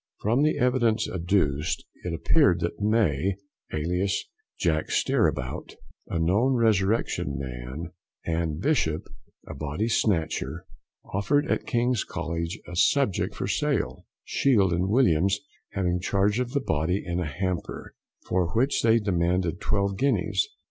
From the evidence adduced, it appeared that May, alias Jack Stirabout, a known resurrection man, and Bishop, a body snatcher, offered at King's College a subject for sale, Shield and Williams having charge of the body in a hamper, for which they demanded twelve guineas.